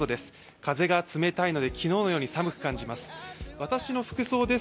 風が冷たいので昨日より寒く感じます。